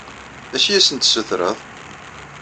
D acu i asen-d-tessutreḍ?